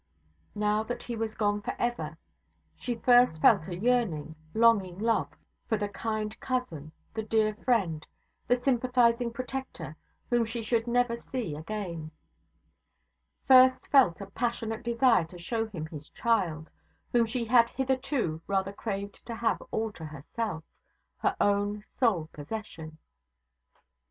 Now that he was gone for ever, she first felt a yearning, longing love for the kind cousin, the dear friend, the sympathizing protector, whom she should never see again; first felt a passionate desire to show him his child, whom she had hitherto rather craved to have all to herself her own sole possession.